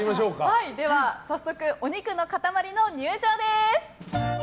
早速、お肉の塊の入場です！